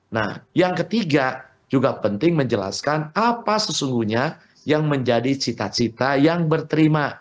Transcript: nah yang ketiga juga penting menjelaskan apa sesungguhnya yang menjadi cita cita yang berterima